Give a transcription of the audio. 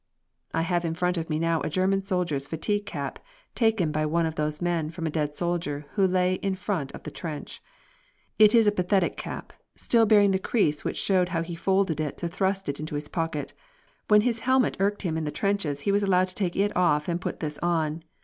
I have in front of me now a German soldier's fatigue cap, taken by one of those men from a dead soldier who lay in front of the trench. It is a pathetic cap, still bearing the crease which showed how he folded it to thrust it into his pocket. When his helmet irked him in the trenches he was allowed to take it <off and put this on.